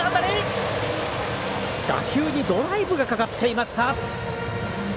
打球にドライブがかかっていました。